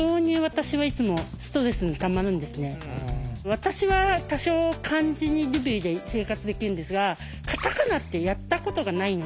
私は多少漢字にルビで生活できるんですがカタカナってやったことがないので